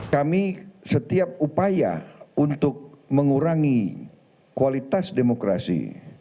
kami setiap upaya untuk mengurangi kualitas demokrasi